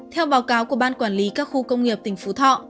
theo báo cáo của ban quản lý các khu công nghiệp tỉnh phú thọ